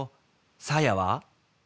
「さあやは？」